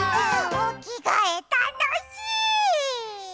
おきがえたのしい！